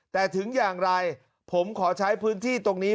แต่ถึงอย่างไรผมขอใช้พื้นที่ตรงนี้